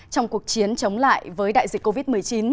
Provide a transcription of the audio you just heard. trong cuộc chiến chống lại với đại dịch covid một mươi chín